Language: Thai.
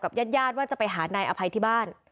ญาติญาติว่าจะไปหานายอภัยที่บ้าน